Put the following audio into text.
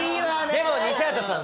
でも西畑さん